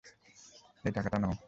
এই টাকাটা নাও।